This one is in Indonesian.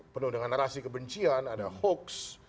penuh dengan narasi kebencian ada hoax